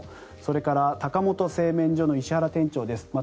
それから高本製麺所の石原店長です。